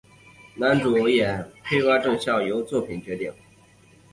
男主演洼田正孝由作者选定。